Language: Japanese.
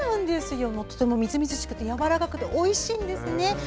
とてもみずみずしくてやわらかくておいしいんですね。